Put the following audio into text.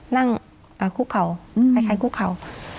นั่งคู่เขาคล้ายคู่เขา